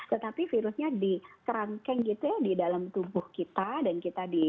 tetapi virusnya di kerangkeng gitu ya di dalam tubuh kita dan kita di